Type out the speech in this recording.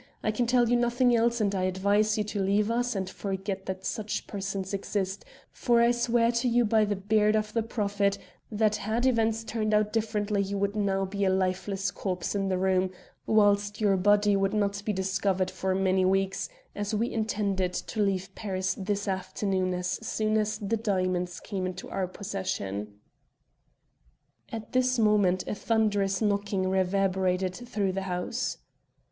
I can tell you nothing else, and I advise you to leave us and forget that such persons exist, for I swear to you by the beard of the Prophet that had events turned out differently you would now be a lifeless corpse in this room, whilst your body would not be discovered for many weeks, as we intended to leave Paris this afternoon as soon as the diamonds came into our possession." [Illustration: "The door was thrown bodily from its hinges." Page 113.] At this moment a thunderous knocking reverberated through the house.